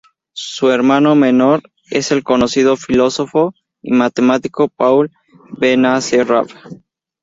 Su hermano menor es el conocido filósofo y matemático Paul Benacerraf.